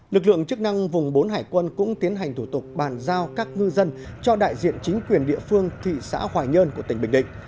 lực lượng chức năng vùng bốn hải quân cũng tiến hành thủ tục bàn giao các ngư dân cho đại diện chính quyền địa phương thị xã hoài nhơn của tỉnh bình định